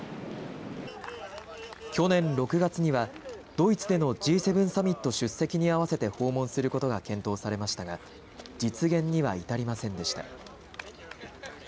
去年６月にはドイツでのＧ７サミット出席に合わせて訪問することが検討されましたが実現には至りませんでした。